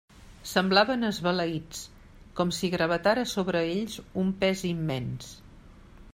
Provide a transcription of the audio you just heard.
Semblaven esbalaïts, com si gravitara sobre ells un pes immens.